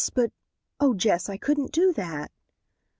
But, oh, Jess, I couldn't do that."